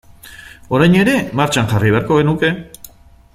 Orain ere martxan jarri beharko genuke.